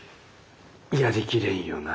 やりきれんよなあ。